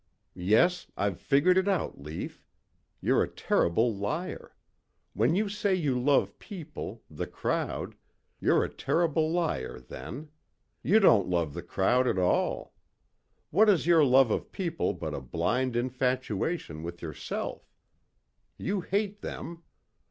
"Yes, I've figured it out, Lief. You're a terrible liar. When you say you love people, the crowd, you're a terrible liar then. You don't love the crowd at all. What is your love of people but a blind infatuation with yourself? You hate them.